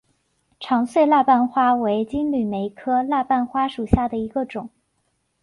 长穗蜡瓣花为金缕梅科蜡瓣花属下的一个种。